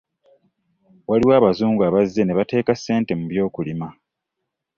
Waliwo abazungu abazze nebateeka ssente mu by'okulima.